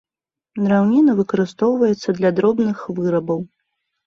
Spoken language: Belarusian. Драўніна выкарыстоўваецца для дробных вырабаў.